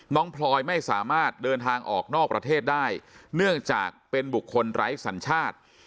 พลอยไม่สามารถเดินทางออกนอกประเทศได้เนื่องจากเป็นบุคคลไร้สัญชาติ